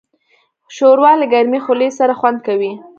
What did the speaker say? ښوروا له ګرمې خولې سره خوند کوي.